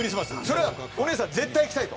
それはお姉さん絶対行きたいと。